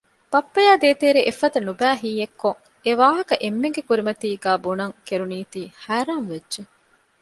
ބައްޕަޔާ ދޭތެރޭ އެފަދަ ނުބައި ހީއެއް ހީކޮށް އެވާހަކަ އެންމެންގެ ކުރިމަތީގައި ބުނަން ކެރުނީތީ ހައިރާން ވެއްޖެ